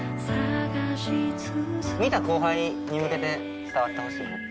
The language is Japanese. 見た後輩に向けて伝わってほしいなっていう。